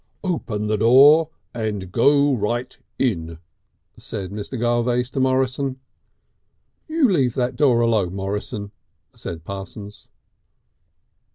"Open the door and go right in," said Mr. Garvace to Morrison. "You leave that door alone, Morrison," said Parsons.